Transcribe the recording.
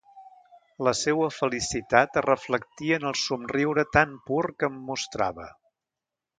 La seua felicitat es reflectia en el somriure tan pur que em mostrava.